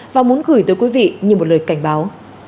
và muốn gửi tới quý vị như một lời cảnh báo